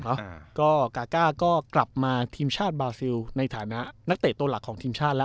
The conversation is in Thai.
อ่าก็กาก้าก็กลับมาทีมชาติบาซิลในฐานะนักเตะตัวหลักของทีมชาติแล้ว